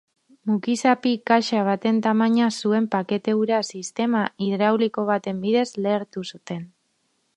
Mukizapi kaxa baten tamaina zuen pakete hura sistema hidrauliko baten bidez lehertu zuten.